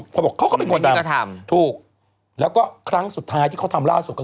พอบอกเขาก็เป็นคนที่กระทำถูกแล้วก็ครั้งสุดท้ายที่เขาทำล่าสุดก็